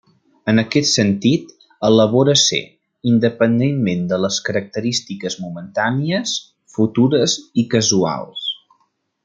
En aquest sentit elabora ser, independentment de les característiques momentànies, futures i casuals.